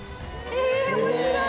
へえ面白い！